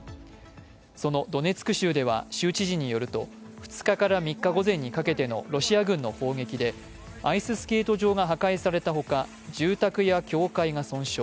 そのドネツク州では州知事によると２日から３日午前にかけてのロシア軍の砲撃でアイススケート場が破壊されたほか、住宅や教会が損傷。